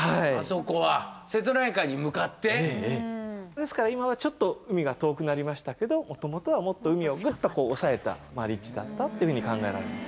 ですから今はちょっと海が遠くなりましたけどもともとはもっと海をぐっとおさえた立地だったというふうに考えられます。